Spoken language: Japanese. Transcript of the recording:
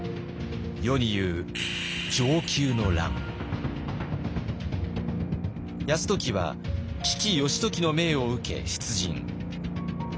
世に言う泰時は父義時の命を受け出陣。